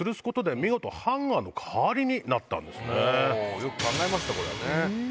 よく考えましたこれね。